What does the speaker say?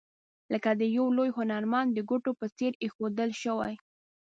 لکه د یو لوی هنرمند د ګوتو په څیر ایښودل شوي.